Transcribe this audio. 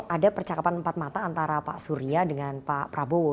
ada percakapan empat mata antara pak surya dengan pak prabowo